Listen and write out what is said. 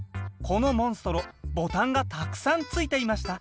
このモンストロボタンがたくさんついていました